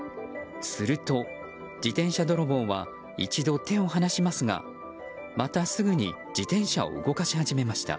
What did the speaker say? すると、自転車泥棒は一度手を放しますがまたすぐに自転車を動かし始めました。